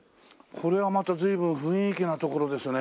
これはまた随分雰囲気な所ですね。